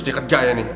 di kerjanya nih